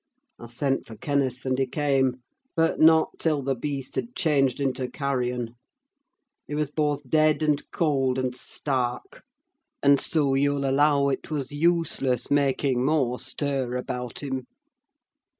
I sent for Kenneth, and he came; but not till the beast had changed into carrion: he was both dead and cold, and stark; and so you'll allow it was useless making more stir about him!"